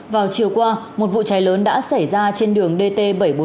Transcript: vào chiều qua một vụ cháy lớn đã xảy ra trên đường dt bảy trăm bốn mươi